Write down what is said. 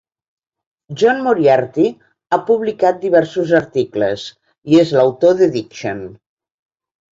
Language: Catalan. John Moriarty ha publicat diversos articles i és l'autor de "Diction".